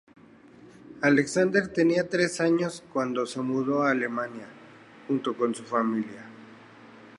Alexander tenía tres años cuando se mudó a Alemania junto con su familia.